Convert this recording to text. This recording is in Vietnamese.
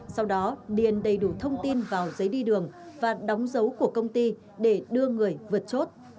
sau đó điền đầy đủ thông tin vào giấy đi đường và đóng dấu của công ty để đưa người vượt chốt